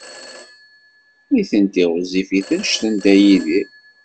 Nitenti ɣezzifit anect n Dda Yidir.